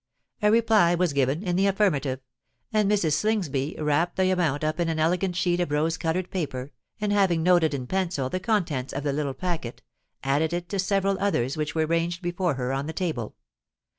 A reply was given in the affirmative; and Mrs. Slingsby wrapped the amount up in an elegant sheet of rose coloured paper, and, having noted in pencil the contents of the little packet, added it to several others which were ranged before her on the table.